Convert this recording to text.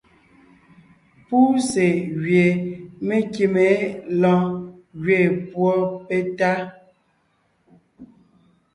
Púse gwie me kíme lɔɔn gẅeen púɔ petá.